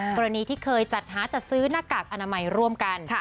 กรณีที่เคยจัดหาจัดซื้อหน้ากากอนามัยร่วมกัน